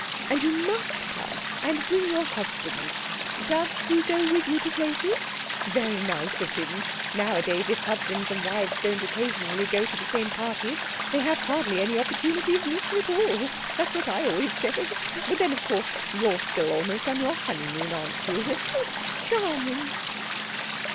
And you must come, and bring your husband. Does he go with you to places? Very nice of him. Nowadays if husbands and wives don't occasionally go to the same parties they have hardly any opportunity of meeting at all; that's what I always say. But then, of course, you're still almost on your honeymoon, aren't you? Charming!'